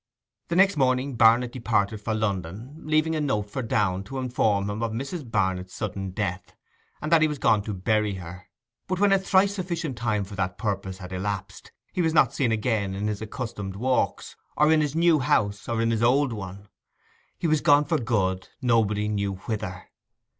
The next morning Barnet departed for London, leaving a note for Downe to inform him of Mrs. Barnet's sudden death, and that he was gone to bury her; but when a thrice sufficient time for that purpose had elapsed, he was not seen again in his accustomed walks, or in his new house, or in his old one. He was gone for good, nobody knew whither.